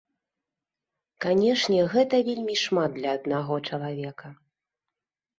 Канешне, гэта вельмі шмат для аднаго чалавека.